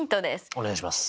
お願いします。